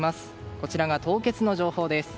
こちらが凍結の情報です。